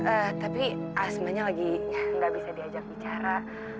eh tapi asma nya lagi nggak bisa diajak bicara